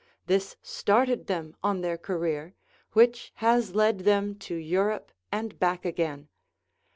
This started them on their career, which has led them to Europe and back again.